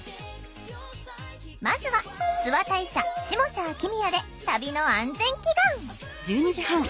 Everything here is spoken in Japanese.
まずは諏訪大社下社秋宮で旅の安全祈願。